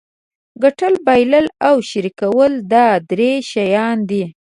ګټل بایلل او شریکول دا درې شیان دي.